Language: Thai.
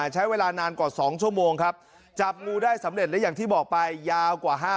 ใช้เวลานานกว่า๒ชั่วโมงครับจับงูได้สำเร็จและอย่างที่บอกไปยาวกว่า